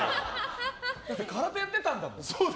だって、空手やってたんだもん。